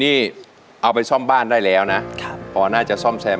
แม่ไพดลายเสือ๔ครั้งแล้ว